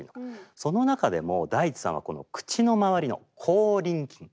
その中でもＤａｉｃｈｉさんはこの口のまわりの口輪筋